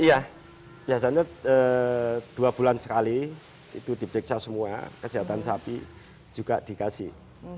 iya biasanya dua bulan sekali itu diperiksa semua kejahatan sapi juga dikasih